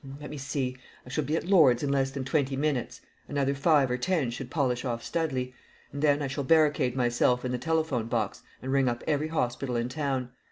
"Let me see. I shall be at Lord's in less than twenty minutes; another five or ten should polish off Studley; and then I shall barricade myself in the telephone box and ring up every hospital in town!